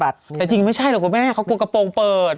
แต่จริงไม่ใช่เขากลัวกระโปรงเปิด